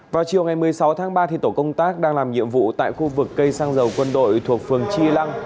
vào chiều ngày một mươi sáu tháng ba tổ công tác đang làm nhiệm vụ tại khu vực cây xăng dầu quân đội thuộc phường tri lăng